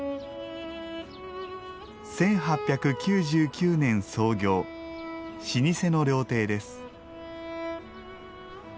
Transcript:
１８９９年創業、老舗の料亭です。